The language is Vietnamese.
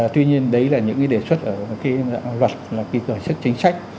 tuy nhiên đấy là những cái đề xuất ở cái luật là cái giải sức chính sách